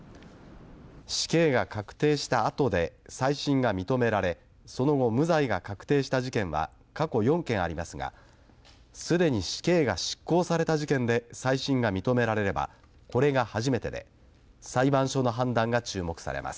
死刑が確定したあとで再審が認められその後無罪が確定した事件は過去４件ありますがすでに死刑が執行された事件で再審が認められればこれが初めてで裁判所の判断が注目されます。